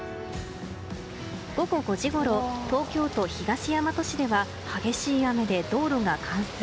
午後５時ごろ東京都東大和市では激しい雨で道路が冠水。